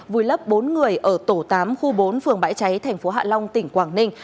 vùi lấp bốn người ở tổ tám khu bốn phường bãi cháy tp hạ long tỉnh quảng ninh